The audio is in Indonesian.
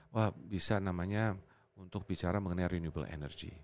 wah bisa namanya untuk bicara mengenai renewable energy